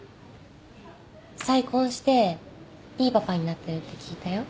再婚していいパパになってるって聞いたよ